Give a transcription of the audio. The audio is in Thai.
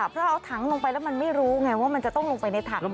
เพราะเอาถังลงไปแล้วมันไม่รู้ไงว่ามันจะต้องลงไปในถัง